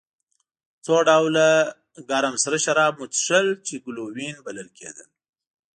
څو ډوله ګرم سره شراب به مو څښل چې ګلووېن بلل کېدل.